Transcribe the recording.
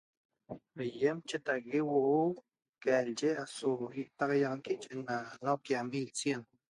Aiem chetaague huo'o calye eso itaiaxaqui eso nokia mil cien